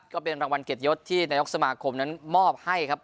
ก็เป็นรางวัลเกียรติยศที่นายกสมาคมนั้นมอบให้ครับ